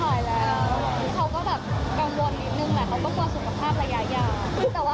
เขาก็แบบกังวลอีกนึงแหละเขาก็มอสุขภาพระยายาว